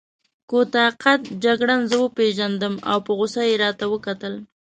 کوتاه قد جګړن زه وپېژندم او په غوسه يې راته وکتل.